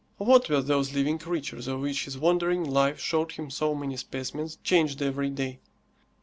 What were those living creatures of which his wandering life showed him so many specimens, changed every day?